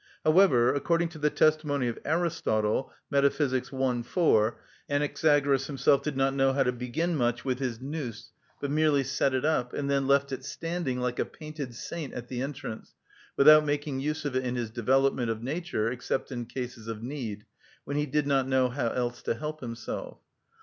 However, according to the testimony of Aristotle (Metaph., i. 4), Anaxagoras himself did not know how to begin much with his νους, but merely set it up, and then left it standing like a painted saint at the entrance, without making use of it in his development of nature, except in cases of need, when he did not know how else to help himself.